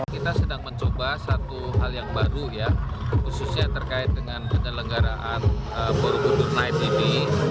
kita sedang mencoba satu hal yang baru ya khususnya terkait dengan penyelenggaraan borobudur night ini